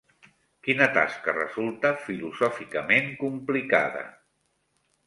Quina tasca resulta filosòficament complicada?